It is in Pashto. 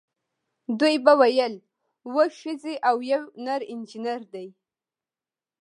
دوی به ویل اوه ښځې او یو نر انجینر دی.